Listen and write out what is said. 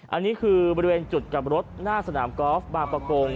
อันนี้คือบริเวณจุดกลับรถหน้าสนามกอล์ฟบางประกง